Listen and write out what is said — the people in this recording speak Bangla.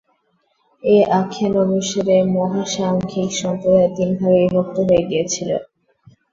এই আখ্যান অনুসারে, মহাসাংঘিক সম্প্রদায় তিন ভাগে বিভক্ত হয়ে গিয়েছিল।